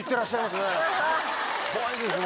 怖いですね。